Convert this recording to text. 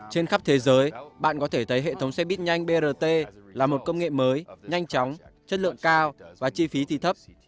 trên khắp thế giới bạn có thể thấy hệ thống xe buýt nhanh brt là một công nghệ mới nhanh chóng chất lượng cao và chi phí thì thấp